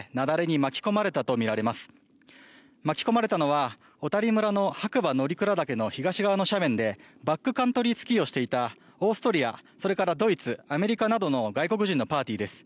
巻き込まれたのは小谷村の白馬乗鞍岳の東側の斜面でバックカントリースキーをしていたオーストリア、それからドイツアメリカなどの外国人のパーティーです。